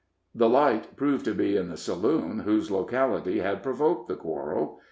The light proved to be in the saloon whose locality had provoked the quarrel.